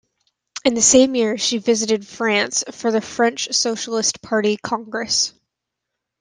In the same year, she visited France for the French Socialist Party Congress.